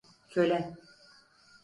Köle!